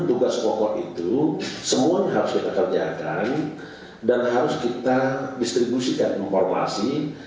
tugas pokok itu semuanya harus kita kerjakan dan harus kita distribusikan informasi